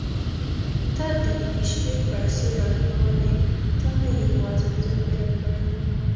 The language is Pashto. تا د یوې شپې پيسې راکولې تا نه یوازې زه هېره کړې وم.